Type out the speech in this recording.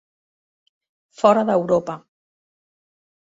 Fora d'Europa,